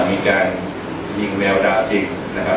มีการยิงแลวดาวจริง